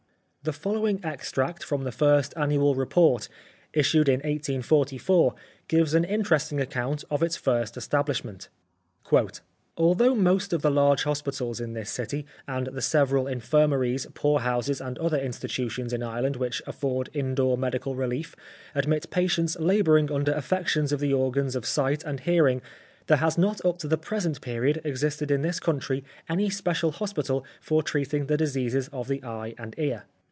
The follow ing extract from the first annual report, issued in 1844, gives an interesting account of its first establishment. " Although most of the large hospitals in this city and the several infirmaries, poorhouses, and other institutions in Ireland which afford indoor medical relief admit patients labouring under affections of the organs of sight and hearing there has not up to the present period existed in this country any special hospital for treating the diseases of the eye and ear.